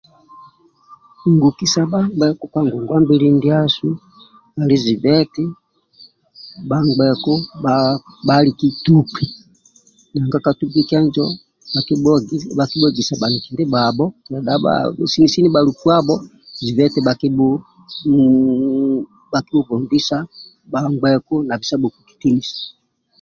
Ngukisa bhangbeku ka ngongwa mbili ndiasu ali zibe eti bhangbeku bha aliki tukpi nanga ka tukpi kenjo bhakibhuegesa bhaniki ndibhabho sini sini bhalukuabho zibe eti bhakibhubombisa bhangbeku na bisabhoku kitinisa